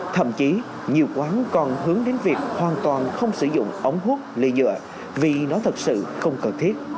thậm chí nhiều quán còn hướng đến việc hoàn toàn không sử dụng ống hút ly nhựa vì nó thật sự không cần thiết